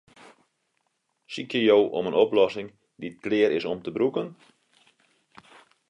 Sykje jo om in oplossing dy't klear is om te brûken?